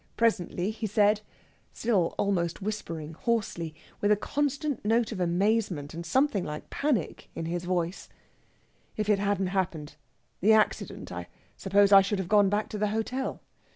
Presently he said, still almost whispering hoarsely, with a constant note of amazement and something like panic in his voice: "If it hadn't happened the accident I suppose I should have gone back to the hotel.